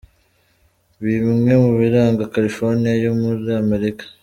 Bimwe mu biranga California yo muri Amerika.